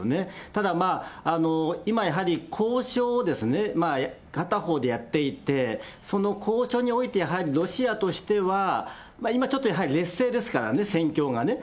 ただ今やはり、交渉を片方でやっていって、その交渉において、やはりロシアとしては今ちょっとやはり劣勢ですからね、戦況がね。